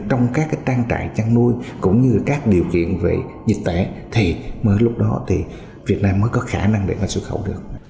trong các trang trại chăn nuôi cũng như các điều kiện về dịch tễ thì mới lúc đó thì việt nam mới có khả năng để mà xuất khẩu được